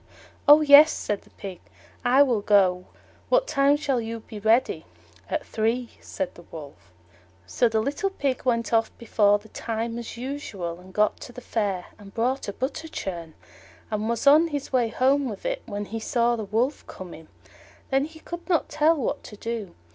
"Oh, yes," said the Pig, "I will go; what time shall you be ready?" "At three," said the Wolf. So the little Pig went off before the time, as usual, and got to the Fair, and bought a butter churn, and was on his way home with it when he saw the Wolf coming. Then he could not tell what to do.